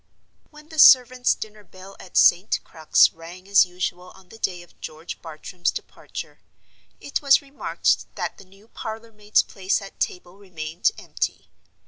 When the servants' dinner bell at St. Crux rang as usual on the day of George Bartram's departure, it was remarked that the new parlor maid's place at table remained empty.